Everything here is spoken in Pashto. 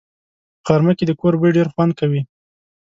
په غرمه کې د کور بوی ډېر خوند کوي